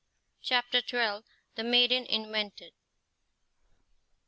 CHAPTER XII. THE MAIDEN INVENTED.